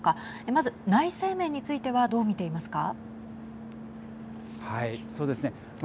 まず内政面についてはどう見ていますか。